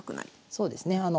そうですね。